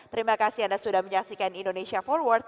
terima kasih anda sudah menyaksikan indonesia forward